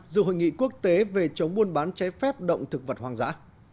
dự hội nghị quốc tế về chống buôn bán cháy phép động thực vật hoang dã